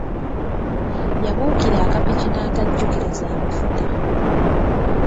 Yabuukira akapiki n’atajjukira za mafuta